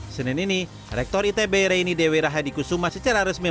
senin ini rektor itb reini dewi rahadi kusuma secara resmi